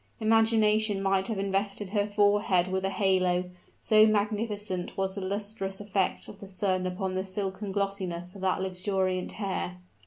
Imagination might have invested her forehead with a halo, so magnificent was the lustrous effect of the sun upon the silken glossiness of that luxuriant hair.